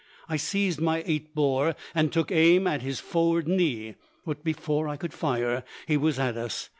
I seized my 8 bore and took aim at his foreward knee, but before I could fire, he was at us.